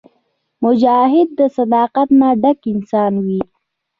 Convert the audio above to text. مجاهد د صداقت نه ډک انسان وي.